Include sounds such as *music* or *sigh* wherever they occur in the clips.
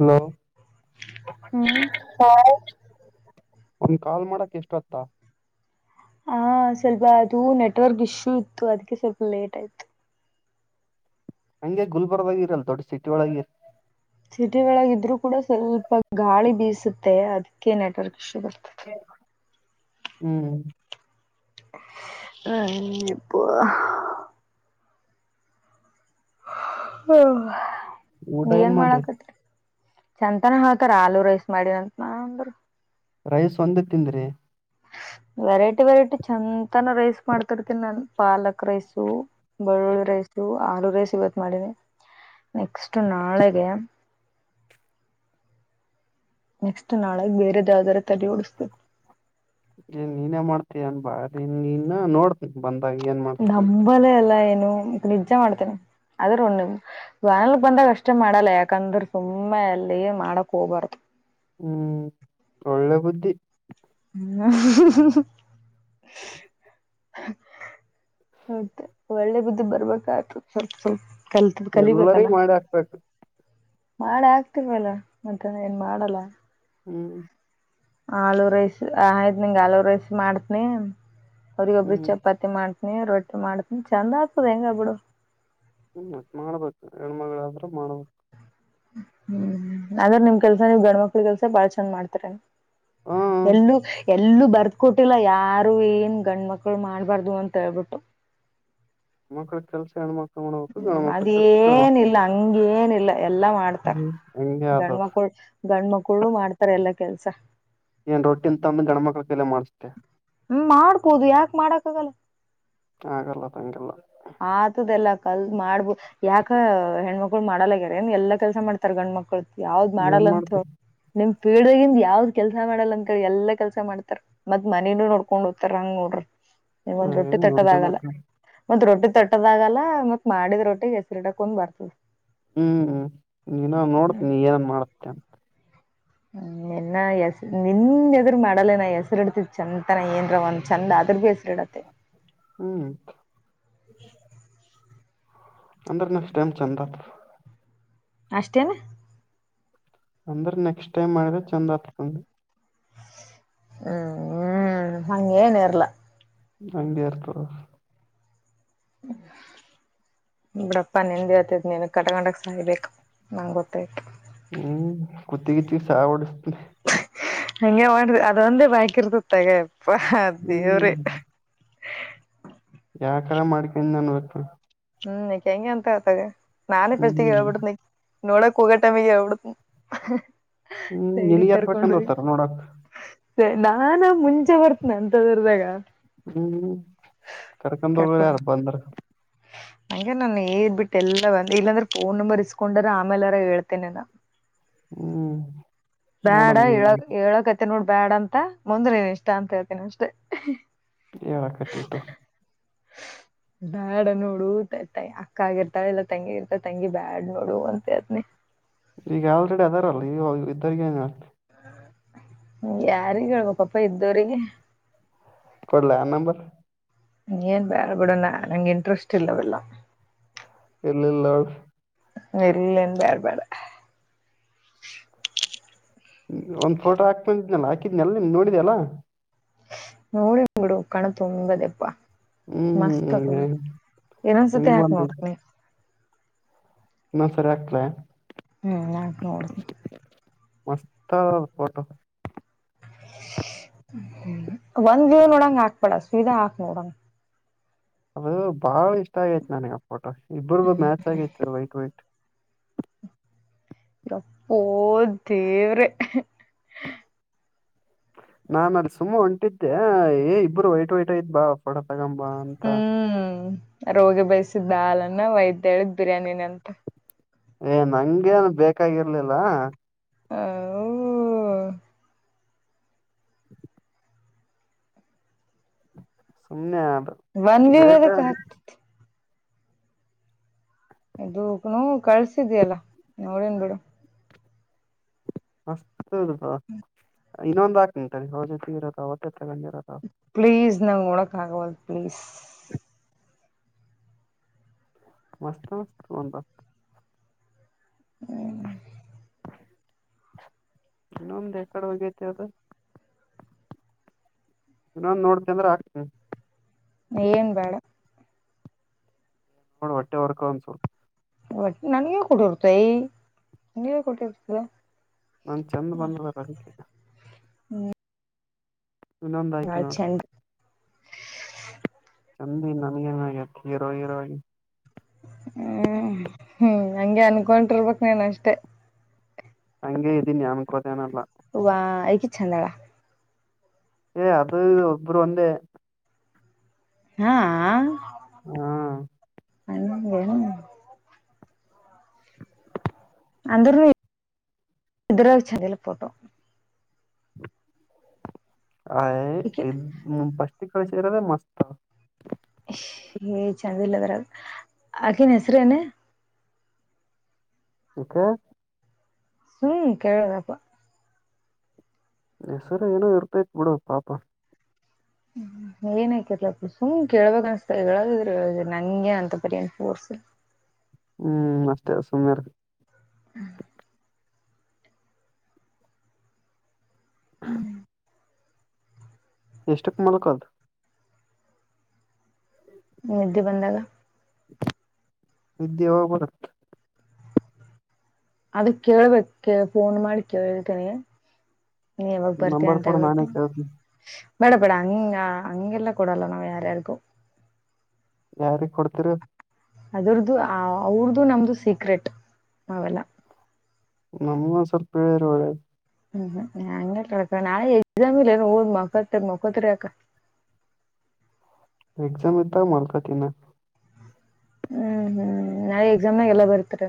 Hello ಹಾ ಹಾ ಒಂದು ಕಾಲ್ ಮಾಡಕ್ ಇಷ್ಟ್ ಹೊತ್ತ ಹ ಸ್ವಲ್ಪ ಅದು ನೆಟ್ ವರ್ಕ್ ಇಶ್ಯೂ ಇತ್ತು ಅದಕ್ಕೆ ಸ್ವಲ್ಪ ಲೇಟ್ ಆಯ್ತು. ಹಂಗೆ ಗುಲ್ಬರ್ಗ ಇರಲ್ಲ ದೊಡ್ಡ ಸಿಟಿ ಒಳಗೆ. ಸಿಟಿ ಒಳಗೆ ಇದ್ರೂ ಕೂಡ ಸ್ವಲ್ಪ ಗಾಳಿ ಬೀಸುತ್ತೆ ಅದಕ್ಕೆ ನೆಟ್ ವರ್ಕ್ ಇಶ್ಯೂ ಬರುತ್ತೆ. ಹ್ಮ್ ಹ್ಮ್ ಇಪ್ಪ ಹ್ಮ ಊಟ ಏನ್ ಮಾಡ್ರಿ ಮಾಡಕತ್ತೀರಿ. ಚಂತನ ಹಾತಾರ ಆಲೂ ರೈಸ್ ಮಾಡಿಂತ ನಾ ಅಂದರು. ರೈಸ್ ಒಂದೇ ತಿಂದ್ರಿ. ವೆರೈಟಿ ವೆರೈಟಿ ಚಂತನ ರೈಸ್ ಮಾಡ್ತಿರ್ತೀನಿ ನಾನು ಪಾಲಕ್ ರೈಸು. ಬೆಳ್ಳುಳ್ಳಿ ರೈಸು ಆಲೂ ರೈಸು ಇವತ್ತು ಮಾಡಿನಿ ನೆಕ್ಸ್ಟ್ ನಾಳೆಗೆ ನೆಕ್ಸ್ಟ್ ನಾಳೆಗೆ ಬೇರೆದ್ ಯಾವ್ದಾದ್ರೂ ತಲಿ ಹೊಡಿಸ್ಬೇಕ್ ಏ ನೀನೇ ಮಾಡ್ತಿಯನ್ ಬಾರಿ ನೀನ್ ನೋಡ್ ಬಂದಾಗ್ ಏನ್ ಮಾಡ್ತಿ ನಂಬಲ್ಲಲ್ಲೇ ಎಲ್ಲ ಏನು ಮ ನಿಜ್ಜ ಮಾಡ್ತೇನಿ ಅದ್ರ ಒ ಯಾರನ್ನ ಬಂದಾಗ ಅಷ್ಟೇ ಮಾಡಲ್ಲ ಯಾಕಂದ್ರೆ ಸುಮ್ಮನೆ ಅಲ್ಲಿ ಮಾಡಕ್ ಹೋಗ್ಬಾರ್ದು. ಹ್ಮ್ ಒಳ್ಳೆ ಬುದ್ಧಿ. ಹ್ಮ ಮತ್ತೆ ಒಳ್ಳೆ ಬುದ್ದಿ ಬರ್ಬೇಕಾಯ್ತು ಸ್ವಲ್ಪ್ ಸ್ವಲ್ಪ್ ಕಲ್ತ್ ಕಲಿಬೇಕಲ್ಲ ಎಲ್ಲರಿಗ ಮಾಡಿ ಹಾಕ್ಬೇಕು ಮಾಡ್ ಆಕ್ತಿವ್ ಅಲ್ಲ ಮತ್ತೆ ಏನ್ ಮಾಡಲ್ಲ. ಹ್ಮ್ ಆಲೂ ರೈಸ್ ಆ ಆಯ್ತ್ ನಿಂಗ್ ಆಲೂ ರೈಸ್ ಮಾಡ್ತನಿ ಅವ್ರಗ ಒಬ್ಬರಿಗೆ ಹ್ಮ್ ಚಪಾತಿ ತಿ ಮಾಡ್ತೀನಿ ರೊಟ್ಟಿ ಮಾಡ್ತೀನಿ ಚಂದ ಆಗ್ತದ್ ಹೆಂಗ ಬಿಡು. ಹ್ಮ್ ಮಾಡ್ಬೇಕ್ ಹೆಣ್ಮಗಳಾದ್ರೆ ಮಾಡ್ಬೇಕ್ ಹ್ಮ್ ಆದ್ರ ನಿಮ್ ಕೆಲಸ ನೀವ್ ಗಂಡ್ ಮಕ್ಕಳ ಕೆಲಸ ಬಾಳ್ ಚಂದ್ ಮಾಡ್ತಾರೆನ್ ಹ ಎಲ್ಲೂ ಎನ್ ಎಲ್ಲೂ ಬರದು ಕೊಟ್ಟಿಲ್ಲ ಯಾರು ಏನ್ ಗಂಡ್ ಮಕ್ಕಳು ಮಾಡ್ಬಾರ್ದು ಅಂತ ಹೇಳ್ಬಿಟ್ಟು. ಹೆಣ್ಣ್ ಮಕ್ಕಳ್ ಕೆಲಸ ಹೆಣ್ ಮಕ್ ಹ್ಮ ಹ್ಮ್ ಅದೇನಿಲ್ಲ ಹಂಗೇನಿಲ್ಲ ಎಲ್ಲಾ ಮಾಡ್ತಾರೆ ಹ್ಮ್ ಹಂಗೆ ಗಂಡು ಆದದ ಮಕ್ಕಳು. ಗಂಡ್ ಮಕ್ಕಳು ಮಾಡ್ತಾರೆ ಎಲ್ಲಾ ಕೆಲಸ. ಏನ್ ರೊಟ್ಟಿ ತಂದ್ ಗಂಡ್ ಮಕ್ಕಳ ಕೈಯಲ್ಲಿ ಮಾಡ್ಸಬಿಟ್ಟೆ. ಹ್ಮ್ ಮಾಡ್ಬೋದು ಯಾಕ್ ಮಾಡಕ್ಕ್ ಆಗಲ್ಲ. ಆಗಲ್ಲ ಅದೇಂಗೆಲ್ಲ ಆತದೆಲ್ಲಾ ಕಲ್ತ್ ಮಾಡ್ಬು ಯಾಕ ಹೆಣ್ಮಕ್ಳು ಮಾಡಲ್ಲ ಗ್ಯಾರ ಏನ್ ಎಲ್ಲಾ ಕೆಲಸ ಮಾಡ್ತಾರ್ ಗಂಡ ಮಕ್ಕಳ ಯಾವ್ದ್ ಏನ್ ಮಾಡಲ್ಲ ಅಂತ ಮಾಡ್ತಿ ಹೇಳ್ ನಿಮ್ ಫೀಡ್ಗಿಂದ್ ಯಾವ್ದ್ ಕೆಲಸ ಮಾಡಲ್ಲ ಅಂತ ಎಲ್ಲಾ ಕೆಲಸ ಮಾಡ್ತಾರಾ ಮತ್ ಮನೆನು ನೋಡ್ಕೊಂಡ್ ಹೋಗ್ತಾರ ಹಂಗ್ ನೋಡ್ರಿ ನಿಮಗ್ ಒಂದ್ ರೊಟ್ಟಿ ಏನ್ ತಟ್ಟದ ಆಗಲ್ಲ. ನೋಡ್ಕೊಂಡ ಮತ್ ರೊಟ್ಟಿ ತಟ್ಟದಾಗಲ್ಲ ಮತ್ ಮಾಡಿದ ರೊಟ್ಟಿ ಹೆಸರಿಡಕ್ ಕುಂದ್ ಬರ್ತದೆ. ಹ್ಮ್ ದಿನ ನೋಡ್ತನಿ ಏನೇನ್ ಮಾಡತ್ತೀಯಾ ಅಂತ. ನಿನ್ನ ಹೆಸ್ ನಿನ್ ಎದುರು ಮಾಡಲ್ಲೇ ನಾ ಹೆಸರಿ ಇಡ್ತಿದ್ ಚಂದನ ಏನ್ ಒಂದ್ ಚಂದ ಆದ್ರ ಬಿಸ್ ಕ್ರೀಡತೆ ಹ್ಮ್ *unintelligible* ಅಂದ್ರೆ ನೆಕ್ಸ್ಟ ಟೈಮ್ ಚಂದ ಬರತದ ಅಷ್ಟೇನ್ ಅಂದ್ರ್ ನೆಕ್ಸ್ಟ್ ಟೈಮ್ ಮಾಡಿದ ಚಂದ ಆತಕ್ ಹ್ಮ್ ಹ್ಮ್ ಹಂಗೇನ್ ಇರಲ್ಲ ಹಂಗೆ ಇರತದ್ *inaudible* ಬಿಡಪ್ಪ ನಿಂದ್ ಹೇಳ್ತಾಯಿತ್ ನಿನ್ ಕಟ್ಟಕಂಡಕ್ ಸಾಯ್ಬೇಕ್ ನಂಗೆ ಗೊತ್ತೈತ ಹ್ಮ್ ಕುತ್ತಿಗಿತ್ತಿಗ್ ಸಾಯ ಹೊಡಸತಿರಿ ಹಂಗೆ ಮಾಡ್ರ್ ಅದೊಂದೇ ಬಾಕಿ ಇರತದ್ ತೆಗೆಯಪ್ಪ ದೇವ್ರೇ ಹ್ಮ್ ಯಾಕರ ಮಾಡ್ಕೊಂಡನ್ನಬೇಕ ಹ್ಮ್ ಹಂಗೆ ಅಂತಳ ತಗ ನಾನೇ ಹ್ಮ್ ಪಸ್ಟಿಗ ಹೇಳ್ಬಿಟ್ಟ್ನ ನೀ ನೋಡಕ್ ಹೋಗೋ ಟೈಮಿಗ್ ಹೇಳ್ಬಿಟ್ನತಿನಿ. ಹ್ಮ್ ನಿನ್ಗ್ಯಾರ್ ಕರಕೊಂಡ ಹೊಕ್ಕರ್ ನೋಡಕ ಅಂತ ನಾನ ಮುಂಚೆ ಬರ್ತನ ಅಂತದರ್ದಾಗ.. ಹ್ಮ್ ಕರ್ಕೊಂಡ ಹೋಗೋರ ಯಾರ ಬಂದ್ರ ನಂಗೆ ನಾನ ಏದ ಬಿಟ್ಟೆ ಎಲ್ಲ ಬಂದ ಇಲ್ಲಾಂದ್ರೆ ಫೋನ್ ನಂಬರ್ ಇಸ್ಕೊಂಡ್ರ ಆಮೇಲೆರ ಹೇಳ್ತೇನೆೇನ. ಹ್ಮ್ *inaudible* ಬ್ಯಾಡ ನೋಡಮ್ ಏಳ ಏಳಕತ್ ನೋಡ ಬ್ಯಾಡ ಅಂತ ಮುಂದ ನಿನ್ನ ಇಷ್ಟ ಅಂತ ಹೇಳ್ತೀನಿ ಅಷ್ಟೇ. ಎಳಕತ್ತಿ ತಗೋ *unintelligible* ಬಾ ಬ್ಯಾಡ ನೋಡು ತ ತ ಅಕ್ಕ ಆಗಿರ್ತಾಳ ಇಲ್ಲಾ ತಂಗಿ ಇರ್ತಳ ತಂಗಿ ಬ್ಯಾಡ್ ನೋಡು ಅಂತ ಹಳತಿನಿ. ಈಗ ಆಲ್ರೆಡಿ ಅದಾರಲ್ಲ ಈವಾಗ್ ಇದ್ದಾಗ ಏನ್ ಆಯ್ತಾ *inaudible* ಯಾರಿಗೆ ಹೆಳ್ಬೆಕಪ ಇದ್ದವ್ರರಿಗೆ ಕೊಡ್ಲ ಆ ನಂಬರ ಏನ್ ಬ್ಯಾಡ ಬಿಡಣ್ಣಾ ನಂಗೆ ಇಂಟ್ರೆಸ್ಟ ಅವೆಲ್ಲ ಎಲ್ಲಿಲ್ಲ ಅವಳ ಎಲ್ಲನ ಬ್ಯಾಡ ಬ್ಯಾಡ ಒಂದ ಫೋಟೋ ಹಾಕತನ ಅದಿದ್ನಲ್ಲ ಹಾಕಿದ್ನನೆಲ್ಲ ನೋಡಿದೆಲ್ಲಾ ನೋಡಿದ್ನ ಬಿಡು ಕಣುತುಂಬದೆಪ್ಪ... ಮಸ್ತ ತಕ್ಕೊಂಡಿ ಹ್ಮ್ *inaudible* ಇನೊಂದ್ಸತಿ ಹಿಂಗ್ ಯಾಕ ಬಂದ ನೋಡ್ತನಿ. ಇನ್ನೊಂದ ಸರಿ ಹಾಕ್ಲ... ಹ್ಞ ನಾಕ ನೋಡ್ತೀನಿ *inaudible* ಮಸ್ತ ದ ಫೋಟೋ... *unintelligible* ಒಂದ್ ವ್ಯೂ್ ನೋಡಂಗ ಹಾಕ್ಬೇಡ ಸ್ವೀಧಾ ಹಾಕ್ ನೋಡಂಗ ಅದು ಬಾಳ ಇಷ್ಟ ಆಗೈತಿ ನನಗೆ ಆ ಫೋಟೋ ಇಬ್ಬ್ರಗೂ ಮ್ಯಾಚ್ ಆಗೈತಿ ವೈಟ್ ವೈಟ ಓಹ ದೇವ್ರೆ ನಾನ್ ಅಲ್ಲಿ ಸುಮ್ಮ ಹೊಂಟಿದ್ದೆ ಏ ಇಬ್ರು ವೈಟ್ ವೈಟ ಇದ ಬಾ ಫೋಟ ತಗೊಂಬಾ ಅ ಹ್ಮ್ ರೋಗಿ ಬಯಸಿದ ಹಾಲನ್ನ ವೈದ ಹೇಳಿದ ಬಿರಿಯಾನಿನ ಅಂತ ಏ ನಂಗೇನು ಬೇಕಾಗಿರ್ಲಿಲ್ಲ ಹೌ.... ಸುಮನೆದ ಒಂದಿ *unintelligible* ಇದೂ ಹೂ ಕಳ್ಸಿದಲ್ಲಾ ನೋಡೆನ್ ಬಿಡು ಅಷ್ಟ್ ಇನ್ನೊಂದ ಹಾಕ್ತಿನ್ ತಡಿ ಅವರ್ ಜೊತೆ ಇರೊದ ಅವತ್ತೇ ಹ ತಗೊಂಡಿ ಇರತ್ತಾವ ಪ್ಲೀಸ್ ನಂಗ್ ನೋಡಕ್ ಆಗವಲ್ತು ಪ್ಲೀಸ್ *unintelligible* ಹ್ಮೂ. ಇನ್ನೊಂದ್ ಎಕಡೆ ಹೊಗೆತ ಅದ ಇನ್ನೊಂದ್ ನೋಡ್ತೆನ್ ಅಂದ್ರೆ ಹಾಕ್ತೆ ಏನ್ ಬೇಡಾ ನೊಡ್ ಹೊಟ್ಟೆ ಉರ್ಕೊ ಒಂದ್ ಸ್ವಲ್ಪ್ ಹೊಟ್ಟಿ ನನಗ್ಯಾಕ್ ಹೊಟ್ಟಿ ಉರ್ತೈ ನನಗ್ಯಾಕ್ ಹೊಟ್ಟಿ ಉರ್ತದ ನಾನ್ ಚೆಂದ ಬಂದಿರೊದ್ ಅದಿಕ್ಕೆ ಇನಂದ್ ಹಾಕಿನ್ ಬಾಳ್ ನೊಡ್ ಚಂದ ಚಂದ ಅದೆನಿ ನನಗೆನಾಗೆತಿ ಹೀರೋ ಹೀರೋ ಆಗಿನಿ ಹ್ಮ್ ಹ್ಮ ಹಂಗೆ ಅನ್ಕೊಂಡಿರ್ಬೇಕ್ ನೀನ್ ಅಷ್ಟೇ ಹಂಗೆ ಇದೀನಿ ಅನ್ಕೊಳೊದೆನಿಲ್ಲ ವಾ ಇಕಿ ಚಂದಾಳ್ ಏ ಅದ ಒಬ್ಬರು ಒಂದೇ ಹಾ. ಹ್ಮಾ. *unintelligible* ಅಂದ್ರೂ ನಿ *unintelligible* ಚಂದಿಲ್ಲ ಪೋಟೋ *inaudible* ಆಯ್ ಈಕೆ ಇನ್ ಪಷ್ಟಿಗೆ ಕಳ್ಸಿರದೆ ಮಸ್ತ್ ಏಯ್ ಚೆಂದಿಲ್ಲದರಾಗ್ ಆಕಿನ್ ಹೆಸ್ರೇನ್ ಯಾಕ ಹ್ಮ್ ಕೇಳ್ದೆ ಪಾ ಹೆಸರ ಏನೋ ಇರ್ತೈತ ಬಿಡ ಪಾಪ ಹ್ಮ್. *unintelligible* ಸುಮ್ ಕೇಳ್ಬೇಕ್ ಅನ್ಸ್ತ ಹೇಳದಿದ್ರ ಹೆಳ್ ನಂಗೆ ಅಂತ ಪರಿ ಏನ್ ಫೋರ್ಸ್ ಇಲ್ಲ ಹ್ಮ್ ಅಷ್ಟೇ ಸುಮ್ಮ್ನೀರ್ ಹ್ ಹ್ಮು. ಎಷ್ಟಕ್ ಮಾಡೊ ಕಾಲ್ ನಿದ್ದಿ ಬಂದಾಗ. ನಿದ್ದಿ ಯಾವಾಗ ಬರತ್ ಅದ ಕೇಳ್ಬೇಕ್ ಕೆಳ್ ಫೋನ್ ಮಾಡಿ ಕೇಳ್ತೀನಿ ನೀ ಯಾವಾಗ ಬರ್ತೀಯಾ ನಂಬರ್ ಅಂತಾ ಕೂಡ ನಾನೇ *unintelligible* ಕೇಳ್ತೀನಿ ಬೇಡಾ ಬೇಡಾ ಅಂಗ ಹಂಗೆಲ್ಲ ಕೂಡಲ್ಲ ನಾವ್ ಯಾರ್ಯಾಗೊ ಯಾರಿಗ್ ಕೊಡ್ತಿರ ಅದುರ್ದು ಅವ್ರದು ನಮ್ದು ಸೀಕ್ರೆಟ್ ಅವೆಲ್ಲ. ನಮ್ಗು ಒಂದ್ ಸ್ವಲ್ಪ ಹೇಳಿದ್ರ ಒಳ್ಳೆದ್ ಹ್ಮ್ ಹ *unintelligible* ನಾಳೆ ಎಕ್ಸಾಮ ಇಲ್ಲೆನ್ ಓದ್ ಮಕ್ಕೊ ಅತ್ಲಾಗ್ ಮಕ್ಕೊತಿರ್ ಯಾಕ ಎಕ್ಸಾಮ ಇದ್ದಾಗ ಮಲ್ಕತಿನಾ ಹ್ಮ್ ಹ್ಮ್ ನಾಳೆ ಎಕ್ಸಾಮ್ನಾಗ ಎಲ್ಲ ಬರ್ತರಿ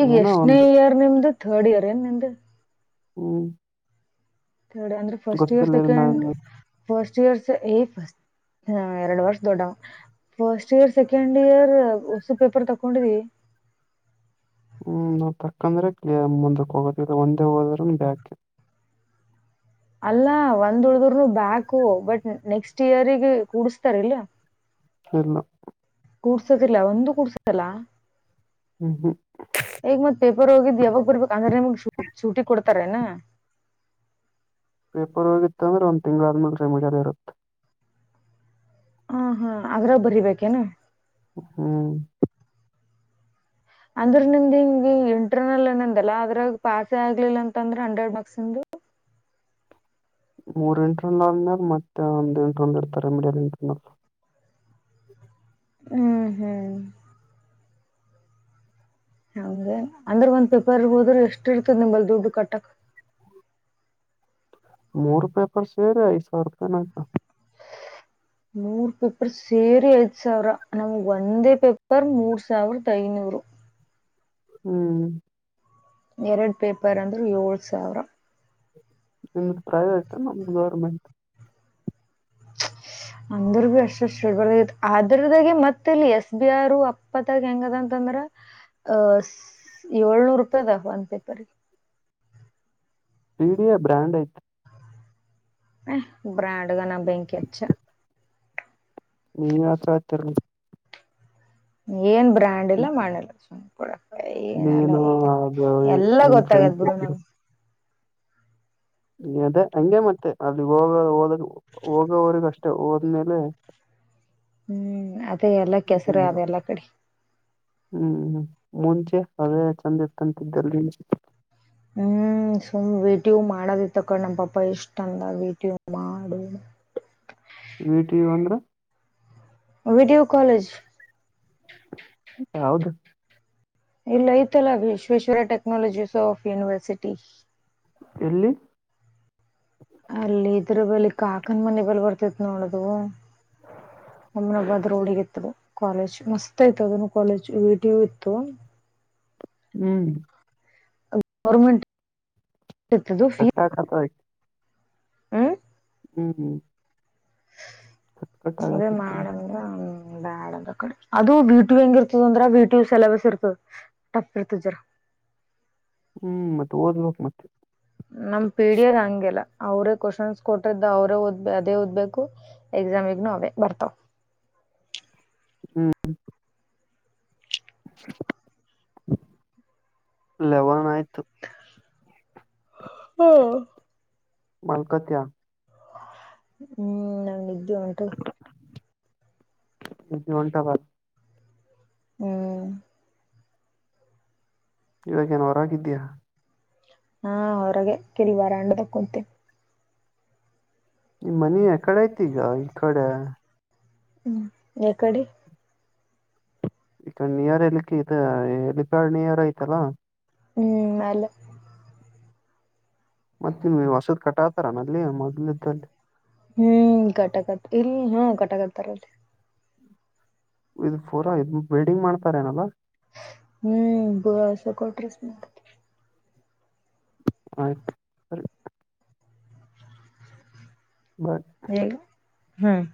ಈಗ ಏನೋ ಎಷ್ಟನೇ ಒಂದು ಇಯರ್ ನಿಮ್ದು ಥರ್ಡ್ ಇಯರ್ ಏನ್ ನಿಂದ್. ಹ್ಮ್ ಅಂದ್ರೆ ಫಸ್ಟ್ ಇಯರ್ ಗೊತ್ತಿರ್ಲಿಲ್ಲ ನಾನ್ ಸೆಕೆಂಡ್ ಫಸ್ಟ್ ಇಯರ್ ಏಫಸ್ಟ್ ಹಾ ಎರಡು ವರ್ಷದೋಡ್ಡವ ಫಸ್ಟ್ ಇಯರ್ ಸೆಕೆಂಡ್ ಇಯರ್ ಹೊಸು ಪೇಪರ್ ತಕೊಂಡಿದವಿ ಹ್ಮ್ ನಾವ್ ತಕಂದ್ರೆ ಕ್ ಮುಂದಕ್ ಹೋಗೋದಲ್ಲ ಒಂದೇ ಹೋದ್ ಬ್ಯಾಕ ಅಲ್ಲಾ ಒಂದ ಉಳಿದರ್ನು ಬ್ಯಾಕು ಬಟ್ ನೆಕ್ಸ್ಟ್ ಇಯರ್ಗ ಕೂಡ್ಸ್ತಾರ ಇಲ್ಲಾ *unintelligible* ಕೂಡ್ಸುದಿಲ್ಲ ಒಂದು ಕೂಡ್ಸುದಲ್ಲಾ ಹ್ಮ್ ಹ್ಮ್ ಈಗ ಮತ್ ಪೇಪರ್ ಹೋಗಿದ್ದ್ ಯಾವಾಗ ಬರ್ಬೇಕ್ ಅಂದ್ರೆ ನಿಮ್ಗ್ ಶೂಟಿ ಕೊಡ್ತಾರೇನಾ ಪೇಪರ್ ಹೋಗಿತ್ತು ಅಂದ್ರೆಂದ ಒಂದು ತಿಂಗಳ ಆದ್ಮೇಲೆ ಡ್ರೈ ಮಾಡೋರು ರು ಹಾ ಹಾ ಅದ್ರ ಬರಿಬೇಕೇನ ಹ್ಮ್ ಅಂದ್ರ ನಿಮ್ದ್ ಹಿಂಗಗೆ ಇಂಟರ್ನಲ್ ಏನಂದಲ್ಲ ಅದ್ರ ಪಾಸೇ ಆಗ್ಲಿಲ್ಲ ಅಂತ ಅಂದ್ರೆ ಹಂಡ್ರೆಡ್ ಮಾರ್ಕ್ಸ್ ದು ಮೂರ್ ಇಂಟರ್ನಲ್ ಆದ್ಮೇಲೆ ಮತ್ತೆ ಒಂದು ಇಂಟ್ರಲ್ ಇರ್ತಾರೆ ಮಿಡಿಯಲ್ ಇಂಟರ್ನಲ್ ಹ್ಮ್ ಹ್ಮ್ ಹೌದೇ ಅಂದ್ರೆ ಒಂದ್ ಪೇಪರ್ ಹೋದ್ರೆ ಎಷ್ಟ್ ಇರ್ತದ ನಿಂಬಲ್ ದುಡ್ಡು ಕಟ್ಟಕ್ ಮೂರು ಪೆಪರ್ ಸೇರಿ ಐದು ಸಾವಿರ ರೂಪಾಯಿ ನಾಯ್ತಾ ಮೂರ್ ಪೇಪರ್ ಸೇರಿ ಐದ್ ಸಾವಿರ ನಮ್ಗೆ ಒಂದೇ ಪೇಪರ್ ಮೂರ್ ಸಾವಿರದ ಐನೂರು ಹ್ಮ್ ಎರಡು ಪೇಪರ್ ಅಂದರೆ ಏಳು ಸಾವಿರ ನಿಮ್ದು ಪ್ರೈವೇಟ್ ನಮ್ದು ಗೌರ್ಮೆಂಟ್ *inaudible* ಅಂದ್ರ ಬಿ ಅಷ್ಟ ಶುಬದ ಅದ್ರದಾಗೆ ಮತ್ತ ಇಲ್ಲಿ ಎಸ್ ಬಿ ಆರ್ ಅಪ್ಪತ್ತಾಗ ಹೆಂಗದ ಅಂತಂದ್ರ ಅಹ ಏಳ್ನೂರು ರೂಪಾಯಿದಾಗ ಒಂದ ಪೇಪರ್ ಗೆ ಪೀಡಿಯ ಬ್ರ್ಯಾಂಡ್ ಐತು ಬ್ರ್ಯಾಂಡ್ ಗೆ ನ ಬೆಂಕಿಹಚ್ಚ ನೀನ್ ಮಾತ್ರ ಆತರಲ್ಲ ಏನ್ ಬ್ರ್ಯಾಂಡ್ ಇಲ್ಲ ಮನ ಇಲ್ಲಾ ಸುಮ್ನೆ ಕೂಡ ಯನಲ್ಲ ನೀನು ಗೊತ್ತೇ ಅದು ಎಲ್ಲ ನಿನ್ ಗೊತ್ತಾಗದ್ ಬಿಡು ಫ್ರೆಂಡ್ಸ್ ನನಗೆ ಅದೇ ಹಂಗೆ ಮತ್ತೆ ಅಲ್ಲಿ ಹೋಗ ಹ ಓದ ಹೋಗೋವರಿಗ ಅಷ್ಟೇ ಹೋದ್ಮೇಲೆ ಹ್ಮ್ ಅದೇ ಎಲ್ಲಾ ಕೆಸರ ಏನಿಲ್ಲ. ಅವೆ ಎಲ್ಲಾ ಕಡೆ ಹ್ಮ್ ಮುಂಚೆ ಅದೇ ಚಂದ ಇರ್ತಂತಿದ್ದಲ್ ಹ್ಮ್ ಸುಮ್ ವೇಟಿ ಮಾಡದಿ ತಕೊಂಡ ನಮ ಪಾಪ ಇಷ್ಟ ಅಂದ ವೇಟಿ ಮಾಡು ವ ಟಿ ಇ ಅಂದ್ರ ವಿಡಿಯೋ ಕಾಲೇಜ್ ಹೌದು ಇಲ್ಲ ಐತಲ್ಲ ವಿಶ್ವೇಶ್ವರ ಟೆಕ್ನಾಲಜಿ ಆಫ್ ಯೂನಿವರ್ಸಿಟಿ ಎಲ್ಲಿ ಅಲ್ಲಿ ಇದ್ರ ಬಳಲ್ಲಿ ಕಾಕನ ಮನೆ ಬಲಿ ಬರ್ತೇತ್ ನೋಡದು ಅಬನಾಬಾದ್ ರೋಡಿಗೆತ್ತದು ಕಾಲೇಜ್ ಮಸ್ತ್ ಐಯ್ತು ಅದನ್ನು ಕಾಲೇಜ್ ವಟಿವಿ ಇತ್ತು ಹ್ಮ್ ಗೌರ್ಮೆಂಟ್ ಇತ್ತದು ಫೀ ತಟ್ಟಾಕತ್ತಾಳ ಇಕಿ ಹ್ಮ್ ಹ್ಮ್ ಹ್ಮ್. ಅದೇ ಆಗತಿತ್ತಂತ ಮಾಡಮ. ಹ್ಮ್ ಬ್ಯಾಡ ಅದ ಕಡೆ ಅದು ವಿಟಿಯು ಹೆಂಗ್ ಇರ್ತದ ಅಂದ್ರ ವಿಟುಯು ಸಿಲಬಸ್ ಇರ್ತದ. ಟಫ್ ಇರ್ತದ ಜರ. ಹ್ಮ್ ಮತ್ತ ಓದ್ಬೇಕ್ ಮತ್ತ. ನಮ್ ಪಿಡಿಯೋದು ಹಂಗಿಲ್ಲ ಅವ್ರೇ ಕ್ವೆಶನ್ಸ್ ಕೊಟಿದ್ದ ಅವ್ರೇ ಓದ್ ಅದೇ ಓದ್ಬೇಕು. ಎಕ್ಸಾಮ್ನೆಗು ಅವೇ ಬರ್ತಾವ. ಹ್ಮ್. ಲೆವನ್ ಆಯ್ತ್ ಓ ಹ್ಮ್. ಮಲ್ಕೋಟೆ ಹ್ಮ್ ನಂಗ ನಿದ್ದೆ ಉಂಟು ನಿದ್ದೆ ಹೊಂಟ ಬ ಹ್ಮ್ ಇವಾಗೇನೋ ಹೊರಾಗಿದೀಯಾ ಹಾ ಹೊರಾಗ ಕಿಡಿ ಬಾರ ಅಂಡದ ಕುಂತೀ ನಿಮ್ಮನಿ ಯಕಡೆ ಅಯ್ತಿಗ ಈಗ ಈ ಕಡೆ ಹ್ಮ್ ಯಾಕಡೆ ಈಕಡ ನಿಯರ್ ಇಲ್ಲಿಕಿದ ಹೇಲಿಪ್ಯಾಡ್ ನಿಯರ್ ಅಯ್ತಲ್ಲಾ ಹ್ಮ್ ಅಲ್ಲ ಮತ್ತೆ ಇಲ್ಲಿ ಹೊಸದ ಕಟಾತಾರನಲ್ಲಿ ಮೊದ್ಲಇದ್ದಲ್ಲಿ ಹ್ಮ್ ಕಟ್ಟಾಕತ ಇಲ್ಲಿ ಹಾ ಕಟ್ಟಾಕತಾರ ಇದು ಪೂರ ಇದನ್ನ ಬಿಲ್ಡಿಂಗ್ ಮಾಡ್ತಾರ ಏನಲ್ಲ ಹ್ಮ್ ಬುರಸ ಕೊಟ್ರಸ ಆಯ್ತ್ ಬಂತ ಹ್ಮ್ಮ್ ಹ್ಮ್